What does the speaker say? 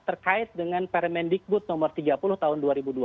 terkait dengan permendikbud nomor tiga puluh tahun dua ribu dua puluh